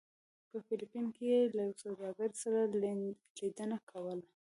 په فلپین کې یې له یو سوداګر سره لیدنه کوله.